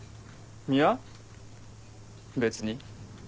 いや別に。